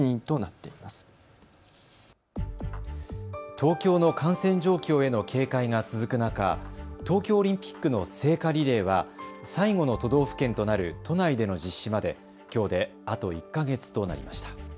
東京の感染状況への警戒が続く中、東京オリンピックの聖火リレーは最後の都道府県となる都内での実施まできょうであと１か月となりました。